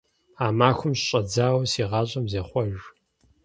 А махуэм щыщӀэдзауэ си гъащӀэм зехъуэж.